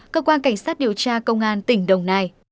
cơ quan cảnh sát điều tra công an tỉnh đồng nai